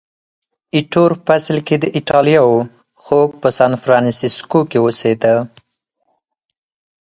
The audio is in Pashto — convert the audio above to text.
ایټور په اصل کې د ایټالیا و، خو په سانفرانسیسکو کې اوسېده.